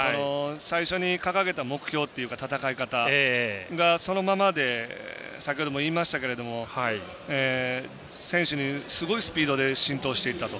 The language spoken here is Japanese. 最初に掲げた目標というか戦い方が、そのままで先ほども言いましたけれども選手に、すごいスピードで浸透していったと。